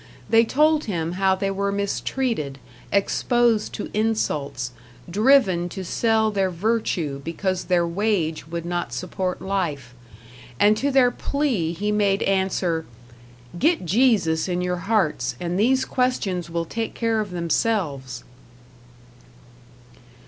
They told him how they were mistreated, exposed to insults, driven to sell their virtue because their wage would not support life; and to their plea he made answer: "Get Jesus in your hearts, and these questions will take care of themselves!"